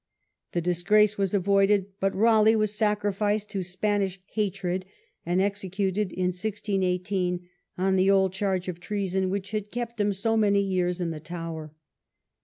The disgrace was avoided, but Raleigh was sacrificed to Spanish hatred, and executed in 1 6 18 on the old charge of treason, which had kept him so many years in the Tower.